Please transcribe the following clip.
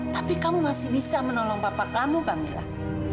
tapi kamu masih bisa menolong bapak kamu kamilah